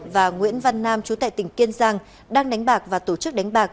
và nguyễn văn nam chú tại tỉnh kiên giang đang đánh bạc và tổ chức đánh bạc